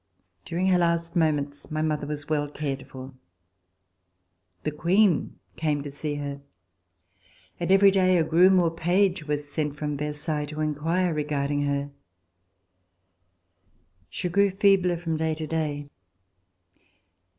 During her last moments my mother was well cared for. The Queen came to see her, and every day a groom or a page was sent from Versailles to inquire regarding her. She grew feebler from day to day.